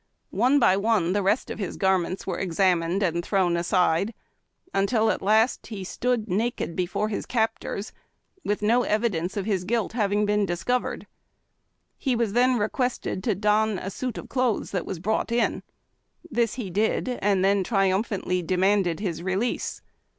One by one, the rest of his garments were examined and thrown aside, until at last he stood naked before his captors with no evidence of his guilt having been discovered. He was then requested to don a suit of clothes that was brought in. This he did, and then tri umphantly demanded his release.